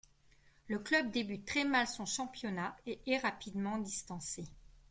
Le club débute très mal son championnat et est rapidement distancé.